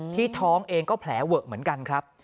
ท้องเองก็แผลเวอะเหมือนกันครับ